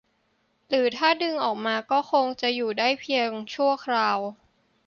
หรือถ้าดึงออกมาก็จะคงอยู่ได้เพียงชั่วคราว